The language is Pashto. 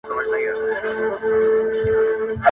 د څو شېبو لپاره .